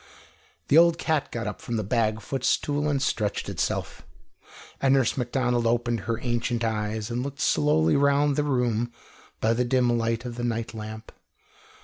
The old cat got up from the bag footstool and stretched itself, and Nurse Macdonald opened her ancient eyes and looked slowly round the room by the dim light of the night lamp.